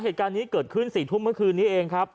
เหตุการณ์นี้เกิดขึ้น๔ทุ่มเมื่อคืนนี้เองครับ